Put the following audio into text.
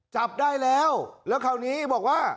จับได้แล้วตอนนี้บอกว่า